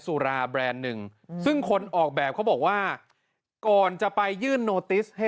สุราแบรนด์หนึ่งซึ่งคนออกแบบเขาบอกว่าก่อนจะไปยื่นโนติสให้